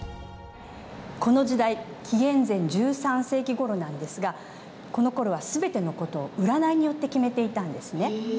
この時代紀元前１３世紀ごろなんですがこのころは全ての事を占いによって決めていたんですね。